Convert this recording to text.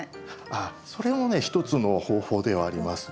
あっそれもね一つの方法ではあります。